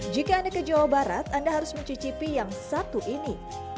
jika anda ke jawa barat anda harus mencicipi yang satu ini